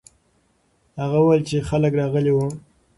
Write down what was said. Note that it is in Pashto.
هغه وویل چې خلک راغلي وو.